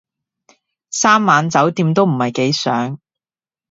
三晚酒店都唔係幾想